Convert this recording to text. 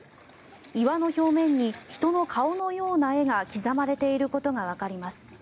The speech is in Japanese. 岩の表面に人の顔のような絵が刻まれていることがわかります。